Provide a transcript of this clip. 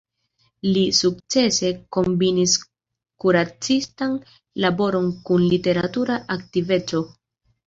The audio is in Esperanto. Li sukcese kombinis kuracistan laboron kun literatura aktiveco.